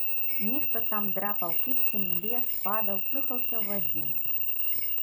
Нехта там драпаў кіпцямі, лез, падаў, плюхаўся ў вадзе.